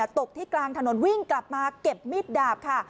ตกที่กลางถนนวิ่งกลับมาเก็บมิดดาบค่ะ